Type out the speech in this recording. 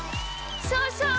そうそう！